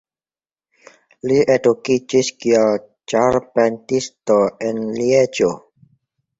Li edukiĝis kiel ĉarpentisto en Lieĝo.